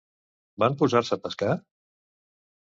Van posar-se a pescar?